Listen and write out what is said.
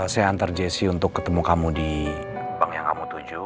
saya antar jessi untuk ketemu kamu di bank yang kamu tuju